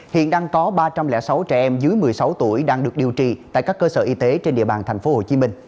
hiện đang có ba trăm linh sáu trẻ em dưới một mươi sáu tuổi đang được điều trị tại các cơ sở y tế trên địa bàn tp hcm